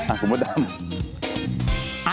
อ่ะขอบคุณพ่อดำ